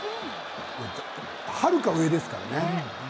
はるか上ですからね。